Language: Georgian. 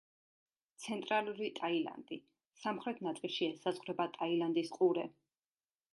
ცენტრალური ტაილანდი სამხრეთ ნაწილში ესაზღვრება ტაილანდის ყურე.